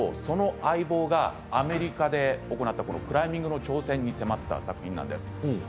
視力を失ったクライマーとその相棒がアメリカで行ったクライミングの挑戦に迫った作品なんです。